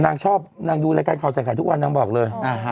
นางชอบนางดูรายการข่าวใส่ไข่ทุกวันนางบอกเลย